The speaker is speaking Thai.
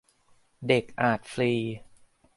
เด็กอาจฟรี